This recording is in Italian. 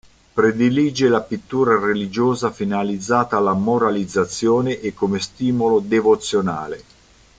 Predilige la pittura religiosa finalizzata alla moralizzazione e come stimolo devozionale.